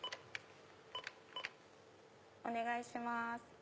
お願いします。